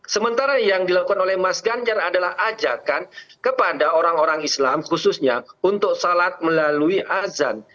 sementara yang dilakukan oleh mas ganjar adalah ajakan kepada orang orang islam khususnya untuk salat melalui azan